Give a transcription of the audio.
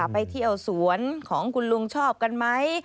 ไปเที่ยวสวนของคุณลุงชอบกันไหม